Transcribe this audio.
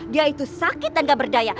dia itu sakit dan gak berdaya